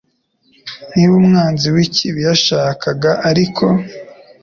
Niba umwanzi w'ikibi yashakaga ariko